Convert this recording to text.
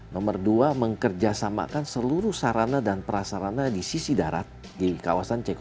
nomor dua mengkerjasamakan seluruh sarana dan prasarana di sisi darat di kawasan ceko